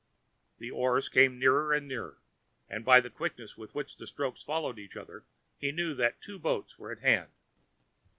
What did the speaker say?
The oars came nearer and nearer, and by the quickness with which the strokes followed each other he knew that two boats were at hand.